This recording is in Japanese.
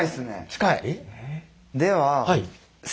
近い。